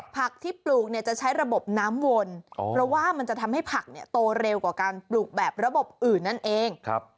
ผักที่ปลูกเนี่ยจะใช้ระบบน้ำวนเพราะว่ามันจะทำให้ผักโตเร็วกว่าการปลูกแบบระบบอื่นนั่นเอง